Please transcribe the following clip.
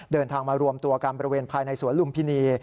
เดินทางมารวมตัวกันบริเวณภายในสวนลุมพินี